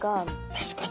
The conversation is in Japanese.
確かに。